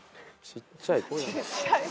ちっちゃい声。